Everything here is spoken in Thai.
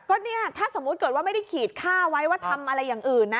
ก็เนี่ยถ้าสมมุติเกิดว่าไม่ได้ขีดค่าไว้ว่าทำอะไรอย่างอื่นนะ